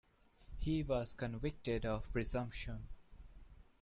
He was convicted of presumption.